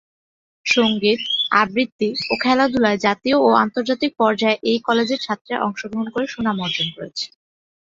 সংগীত, আবৃত্তি ও খেলাধুলায় জাতীয় ও আন্তর্জাতিক পর্যায়ে এই কলেজের ছাত্রীরা অংশগ্রহণ করে সুনাম অর্জন করেছে।